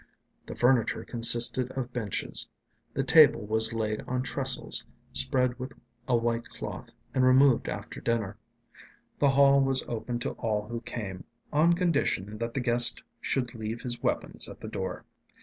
The furniture consisted of benches; the table was laid on trestles, spread with a white cloth, and removed after dinner; the hall was open to all who came, on condition that the guest should leave his weapons at the door.